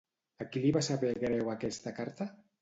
A qui li va saber greu aquesta carta?